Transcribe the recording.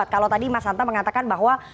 kalau tadi mas hanta mengatakan bahwa